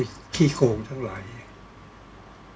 ก็ต้องทำอย่างที่บอกว่าช่องคุณวิชากำลังทำอยู่นั่นนะครับ